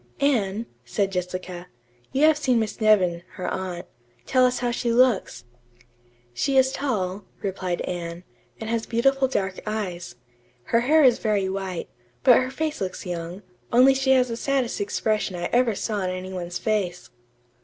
"Anne," said Jessica, "you have seen Miss Nevin, her aunt. Tell us how she looks." "She is tall," replied Anne, "and has beautiful dark eyes. Her hair is very white, but her face looks young, only she has the saddest expression I ever saw on any one's face."